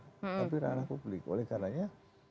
tapi ranah publik oleh karenanya